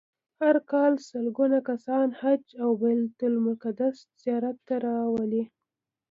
هر کال سلګونه کسان حج او بیت المقدس زیارت ته راولي.